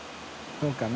そうかな？